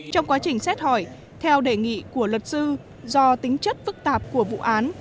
trong quá trình xét hỏi theo đề nghị của luật sư do tính chất phức tạp của vụ án